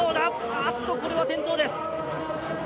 あーっとこれは転倒です